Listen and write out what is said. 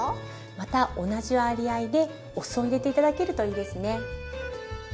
また同じ割合でお酢を入れて頂けるといいですね。